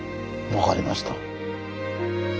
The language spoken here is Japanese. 分かりました。